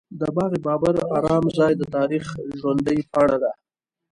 د باغ بابر ارام ځای د تاریخ ژوندۍ پاڼه ده.